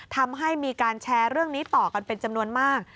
ทำให้มีการแชร์เรื่องนี้ต่อกันเป็นจำนวนมาก